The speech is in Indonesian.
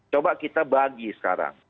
coba kita bagi sekarang